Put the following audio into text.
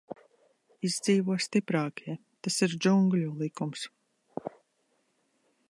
Izdzīvo stiprākie, tas ir džungļu likums.